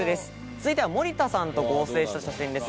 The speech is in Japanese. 続いては森田さんと合成した写真です。